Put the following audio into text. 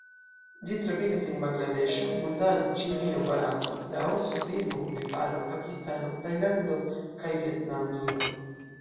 Ĝi troviĝas en Bangladeŝo, Butano, Ĉinio, Barato, Laoso, Birmo, Nepalo, Pakistano, Tajlando kaj Vjetnamio.